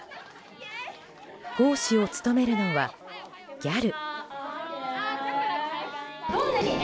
講師を務めるのはギャル。